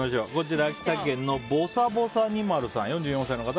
秋田県の４４歳の方。